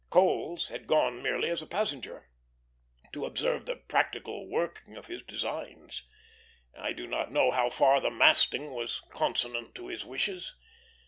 Coles had gone merely as a passenger, to observe the practical working of his designs. I do not know how far the masting was consonant to his wishes.